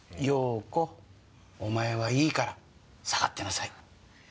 遥子お前はいいから下がってなさい。